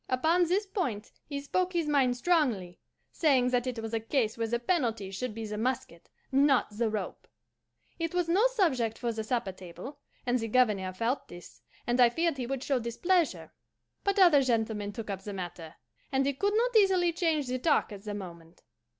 "Upon this point he spoke his mind strongly, saying that it was a case where the penalty should be the musket, not the rope. It was no subject for the supper table, and the Governor felt this, and I feared he would show displeasure; but other gentlemen took up the matter, and he could not easily change the talk at the moment.